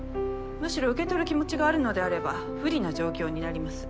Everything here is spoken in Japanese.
むしろ受け取る気持ちがあるのであれば不利な状況になります。